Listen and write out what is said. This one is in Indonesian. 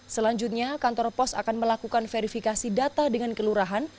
selanjutnya kantor pos akan melakukan verifikasi data dengan kelurahan